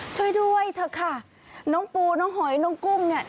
ช่วยด้วยเถอะค่ะน้องปูน้องหอยน้องกุ้งเนี่ย